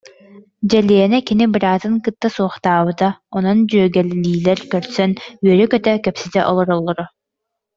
Дьэлиэнэ кини бараатын кытта суохтаабыта, онон дьүөгэлиилэр көрсөн үөрэ-көтө кэпсэтэ олороллоро